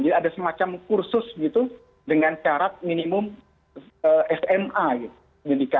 jadi ada semacam kursus gitu dengan syarat minimum sma